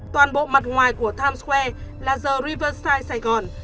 toàn bộ mặt ngoài của times square là the riverside saigon